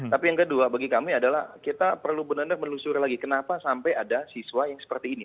tapi yang kedua bagi kami adalah kita perlu benar benar menelusuri lagi kenapa sampai ada siswa yang seperti ini